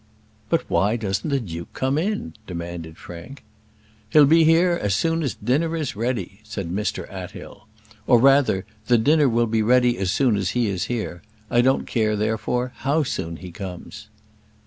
"But why doesn't the duke come in?" demanded Frank. "He'll be here as soon as dinner is ready," said Mr Athill. "Or, rather, the dinner will be ready as soon as he is here. I don't care, therefore, how soon he comes."